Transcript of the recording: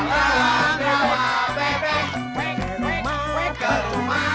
ke jalan rawa bebek ke rumah pacar saya